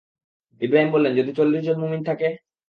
ইবরাহীম বললেন, যদি চল্লিশ জন মুমিন থাকে?